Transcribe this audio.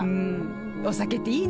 お酒っていいね。